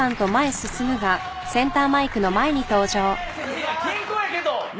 いや健康やけど！